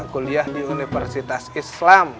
kuliah di universitas islam